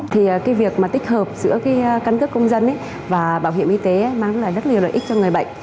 thì cái việc mà tích hợp giữa cái căn cước công dân và bảo hiểm y tế mang lại rất nhiều lợi ích cho người bệnh